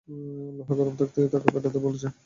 লোহা গরম থাকতেই তাতে পেটাতে বলছে।